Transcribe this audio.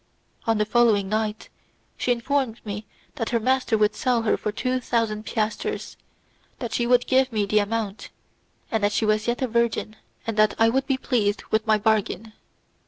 On the following night, she informed me that her master would sell her for two thousand piasters, that she would give me the amount, that she was yet a virgin, and that I would be pleased with my bargain.